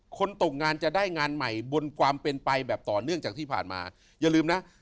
ตกงานจะได้งานใหม่บนความเป็นไปแบบต่อเนื่องจากที่ผ่านมาอย่าลืมนะ